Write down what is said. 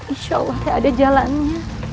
insya allah ada jalannya